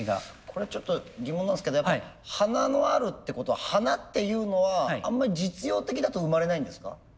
これちょっと疑問なんですけどやっぱ「華のある」ってことは「華」っていうのはあんまり実用的だと生まれないんですか？